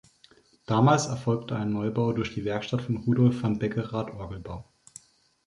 Damals erfolgte ein Neubau durch die Werkstatt von Rudolf von Beckerath Orgelbau.